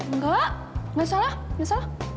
enggak enggak salah enggak salah